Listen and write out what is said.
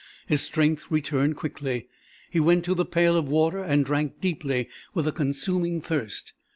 His strength returned quickly. He went to the pail of water and drank deeply with a consuming thirst.